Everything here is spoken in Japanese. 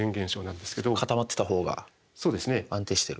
固まってたほうが安定してる？